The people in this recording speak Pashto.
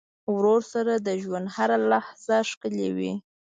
ورور سره د ژوند هره لحظه ښکلي وي.